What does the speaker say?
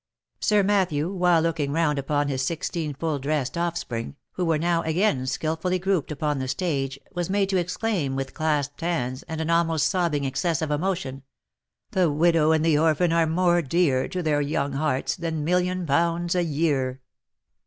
Sir Matthew, while looking round upon his sixteen full dressed offspring, who were now again skilfully grouped upon the stage, was made to exclaim with clasped hands, and an almost sobbing excess of emotion, " The widow and the orphan are more dear, To their young hearts, than million pounds a year